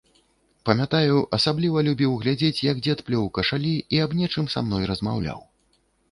Памятаю, асабліва любіў глядзець, як дзед плёў кашалі і аб нечым са мной размаўляў.